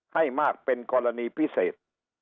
ให้มากเป็นกรณีพิเศษ